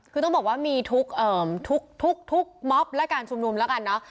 คือต้องบอกว่ามีทุกม็อบและการชุมนุมแล้วกันเนาะ